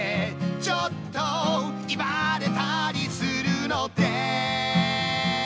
「ちょっといばれたりするのです」